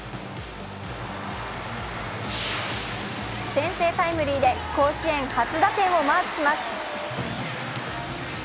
先制タイムリーで甲子園初打点をマークします。